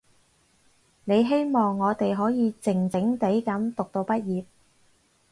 你希望我哋可以靜靜地噉讀到畢業